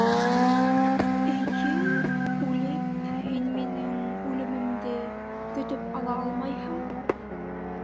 Эй-йе... үлеп.. һин минең... үлемемде... көтөп ала алмайһың!